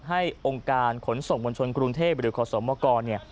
ให้องค์การขนส่งบนชนกรุงเทพหรือขสมกร